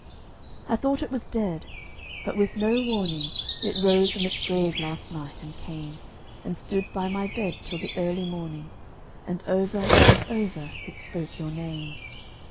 I thought it was dead. But with no warning, It rose from its grave last night, and came And stood by my bed till the early morning, And over and over it spoke your name.